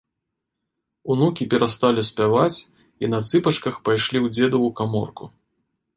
Унукі перасталі спяваць і на цыпачках пайшлі ў дзедаву каморку.